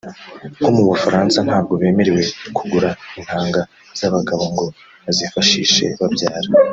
nko mu Bufaransa ntabwo bemerewe kugura intanga z’abagabo ngo bazifashishe babyara